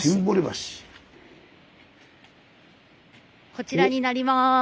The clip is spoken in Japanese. こちらになります。